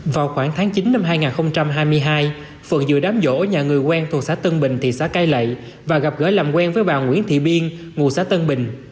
vào khoảng tháng chín năm hai nghìn hai mươi hai phượn dự đám vỗ nhà người quen thuộc xã tân bình thị xã cai lậy và gặp gỡ làm quen với bà nguyễn thị biên ngụ xã tân bình